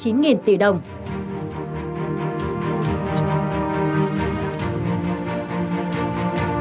hà nội hà nội hà nội